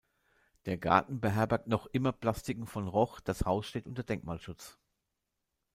Der Garten beherbergt noch immer Plastiken von Roch, das Haus steht unter Denkmalschutz.